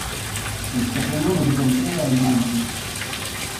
Il capoluogo di contea è Murray.